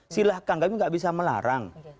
silahkan kami tidak bisa melarang